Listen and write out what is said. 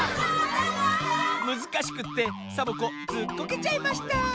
むずかしくってサボ子ずっこけちゃいました。